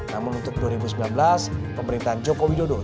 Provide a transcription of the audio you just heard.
namun untuk dua ribu sembilan belas pemerintahan jokowi dodo